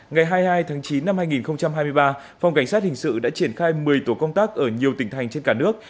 ngày hai mươi hai tháng chín năm hai nghìn hai mươi ba phòng cảnh sát hình sự đã triển khai một mươi tổ công tác ở nhiều tỉnh thành trên cả nước